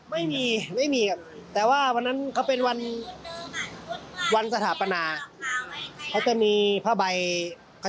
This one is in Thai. เหมือนมานัดพบกัน